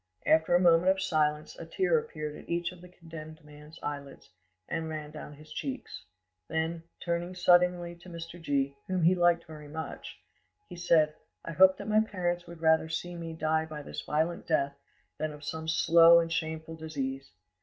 After a moment of silence, a tear appeared at each of the condemned man's eyelids, and ran down his cheeks; then, turning suddenly to Mr. G——, whom he liked very much, he said, "I hope that my parents would rather see me die by this violent death than of some slow and shameful disease.